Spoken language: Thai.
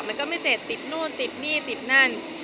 มันก็ไม่เสร็จติดนู่นติดนี่ติดนั่น